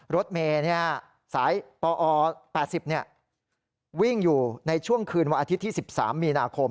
รถเมย์สายปอ๘๐วิ่งอยู่ในช่วงคืนวันอาทิตย์ที่๑๓มีนาคม